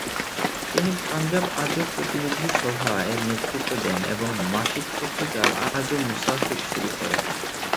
তিনি 'পাঞ্জাব আর্য প্রতিনিধি সভা' -এর নেতৃত্ব দেন এবং এর মাসিক পত্রিকা আর্য মুসাফির শুরু করেন।